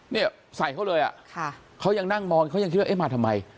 เนี่ยใส่เขาเลยอ่ะค่ะเขายังนั่งมองเขายังคิดว่าเอ๊ะมาทำไม